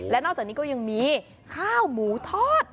และนอกจากนี้ก็ยังมีข้าวหมูทอด